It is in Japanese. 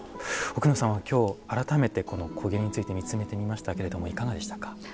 奥野さんは今日改めてこの古裂について見つめてみましたけれどもいかがでしたか？